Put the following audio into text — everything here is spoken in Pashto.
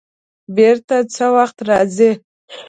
بېرته څه وخت راځې؟